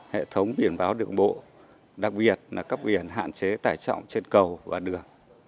hệ thống biển báo đường bộ đặc biệt là cấp biển hạn chế tải trọng trên cầu và đường